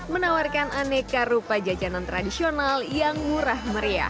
menawarkan aneka rupa jajanan tradisional yang murah meriah